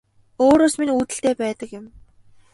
Өөрөөс минь үүдэлтэй байдаг юм